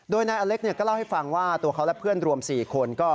โดยนายอเล็กก็เล่าให้ฟังว่าตัวเขาและเพื่อนรวม๔คน